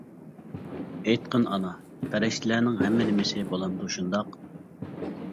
ئېيتقىن ئانا، پەرىشتىلەرنىڭ ھەممە نېمىسى بولامدۇ شۇنداق؟ !